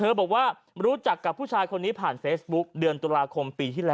เรียกว่ารู้จักกับผู้ชายคนนี้ปินครองโฟมเมื่อเดือนตุลาคม๒๐๒๐